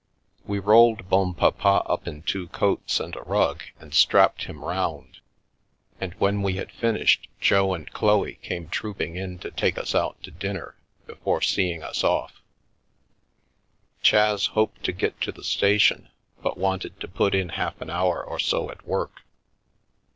We rolled Bonpapa up in two coats and a rug and strapped him round, and when we had finished, Jo and Chloe came trooping in to take us out to dinner before A Skeleton Out of the Cupboard seeing us off. Chas hoped to get to the station, but wanted to put in half an hour or so at work.